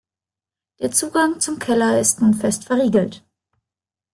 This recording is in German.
Der Zugang zum Keller ist nun fest verriegelt.